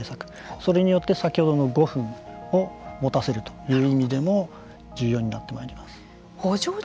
それによって先ほどの５分もたせるという意味でも重要になってまいります。